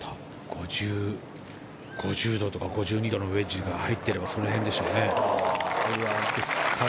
５０度とか５２度のウェッジが入ってれば、その辺でしょうね。